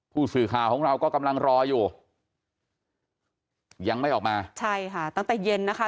ผู้สื่อข่าวของเราก็กำลังรออยู่ยังไม่ออกมาใช่ค่ะตั้งแต่เย็นนะคะ